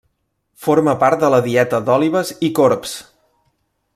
Forma part de la dieta d'òlibes i corbs.